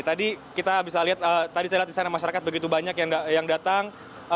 tadi kita bisa lihat tadi saya lihat di sana masyarakat begitu banyak yang datang